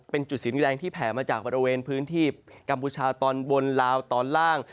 เป็นจุดสีแดงที่แผ่มาจากบริเวณพื้นที่กัมพูชาตอนบนลาวตอนล่าง